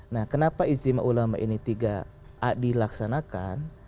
nah kenapa ijtima ulama ini tidak dilaksanakan